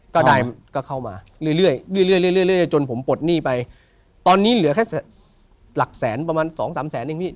ก็ได้ก็เข้ามาเรื่อยเรื่อยจนผมปลดหนี้ไปตอนนี้เหลือแค่หลักแสนประมาณสองสามแสนเองพี่